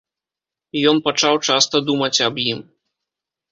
Ён пачаў часта думаць аб ім.